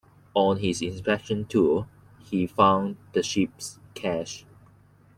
On his inspection tour he found the ship's cash.